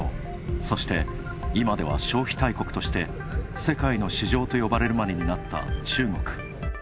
そして、今では消費大国として世界の市場と呼ばれるまでになった中国。